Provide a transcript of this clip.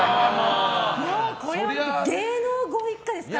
もうこれは芸能ご一家ですから。